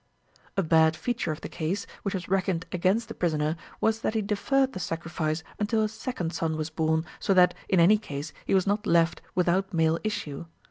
A bad feature of the case, which was reckoned against the prisoner, was that he deferred the sacrifice until a second son was born, so that, in any case, he was not left without male issue.